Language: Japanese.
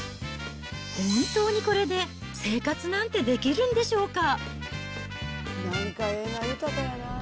本当にこれで、生活なんてできるんでしょうか。